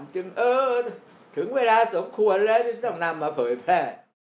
จึงเออถึงเวลาสมควรเลยที่จะต้องนำมาเผยแพทย์